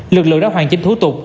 lực lượng đã hoàn chính thú tục